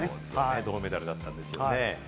銅メダルだったんですね。